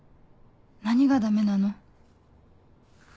何がダメなの？